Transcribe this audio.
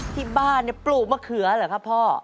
ที่บ้านปลูกมะเขือเหรอครับพ่อ